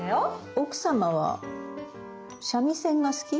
奥様は三味線が好き？